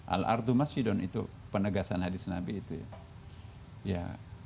al ardu masjidun itu penegasan hadis nabi itu ya